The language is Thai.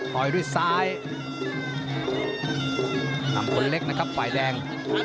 ต่อยด้วยซ้ายอำพลเล็กนะครับฝ่ายแดง